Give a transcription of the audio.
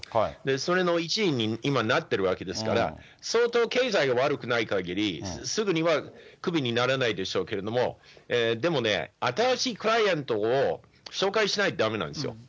それの一員に今、なってるわけですから、相当経済が悪くないかぎり、すぐにはクビにならないでしょうけれども、でもね、新しいクライアントを紹介しないとだめなんですよ。